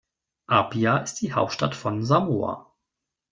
Apia ist die Hauptstadt von Samoa.